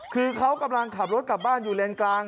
คือเขากำลังขับรถกลับบ้านอยู่เลนกลาง